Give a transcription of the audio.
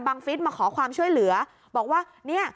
ฟิศมาขอความช่วยเหลือบอกว่าเนี่ย